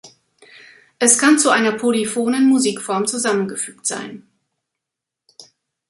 Es kann zu einer polyphonen Musikform zusammengefügt sein.